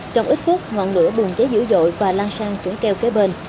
trong ít phút ngọn lửa bùng cháy dữ dội và lan sang xưởng kèo kế bên